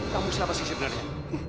kamu siapa sih sebenarnya